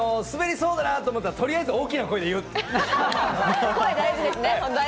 滑りそうだなと思ったら、とりあえず大きな声で言う。